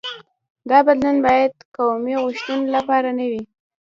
دا بدلون باید قومي غوښتنو لپاره نه وي.